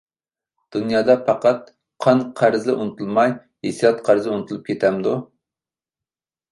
دۇنيادا پەقەت قان-قەرزلا ئۇنتۇلماي، ھېسسىيات قەرزى ئۇنتۇلۇپ كېتەمدۇ؟